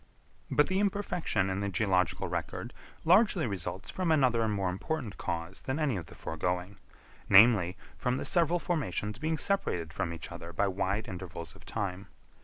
But the imperfection in the geological record largely results from another and more important cause than any of the foregoing; namely, from the several formations being separated from each other by wide intervals of time.